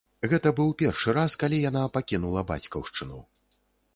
Гэта быў першы раз, калі яна пакінула бацькаўшчыну.